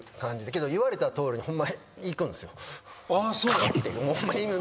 けど言われたとおりにホンマ行くんですよ。